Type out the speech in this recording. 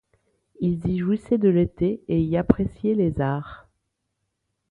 Ils y jouissaient de l'été et y appréciaient les arts.